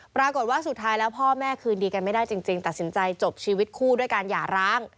ปรากฏว่าสุดท้ายแล้วพ่อแม่คืนดีกันไม่ได้จริงตัดสินใจจบชีวิตคู่ด้วยการหย่าร้าง